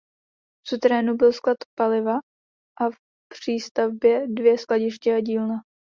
V suterénu byl sklad paliva a v přístavbě dvě skladiště a dílna.